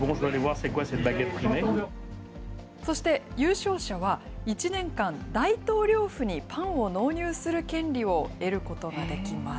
そして、優勝者は１年間、大統領府にパンを納入する権利を得ることができます。